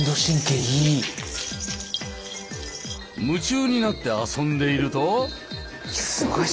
夢中になって遊んでいると。